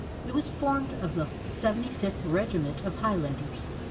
It was formed of the 75th Regiment of Highlanders.